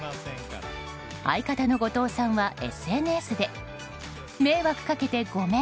相方の後藤さんはＳＮＳで迷惑かけてごめん！